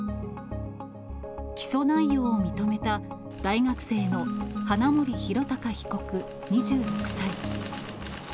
起訴内容を認めた、大学生の花森弘卓被告２６歳。